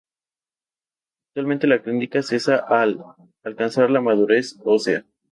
Habitualmente la clínica cesa al alcanzar la madurez ósea.